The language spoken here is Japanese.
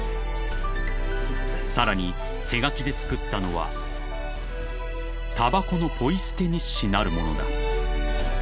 ［さらに手書きで作ったのはたばこのポイ捨て日誌なるものだ］